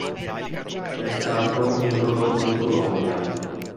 È stato introdotto in Colombia.